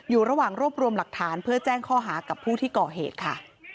อยู่ระหว่างรวบรวมหลักฐานเพื่อแจ้งข้อหากับผู้ที่ก่อเหตุค่ะ